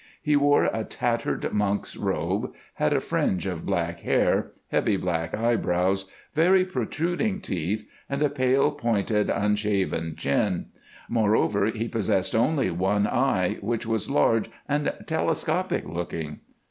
He wore a tattered monk's robe, had a fringe of black hair, heavy black eyebrows, very protruding teeth, and a pale, pointed, unshaven chin. Moreover, he possessed only one eye, which was large and telescopic looking."